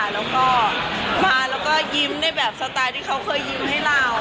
แล้วก็มาแล้วก็ยิ้มได้แบบสไตล์ที่เขาเคยยิ้มให้เรา